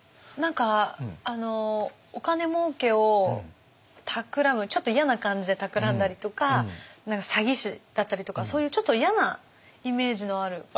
何かあのお金もうけをたくらむちょっと嫌な感じでたくらんだりとか詐欺師だったりとかそういうちょっと嫌なイメージのある。